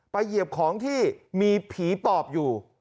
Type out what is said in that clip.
เหยียบของที่มีผีปอบอยู่